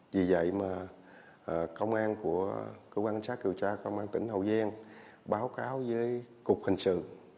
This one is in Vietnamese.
vì vậy mà công an của cơ quan cảnh sát điều tra công an tỉnh hậu giang báo cáo với cục hình sự